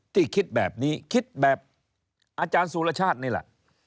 คิดแบบนี้คิดแบบอาจารย์สุรชาตินี่แหละ